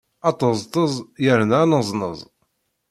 Aṭeẓṭeẓ yerna aneẓneẓ!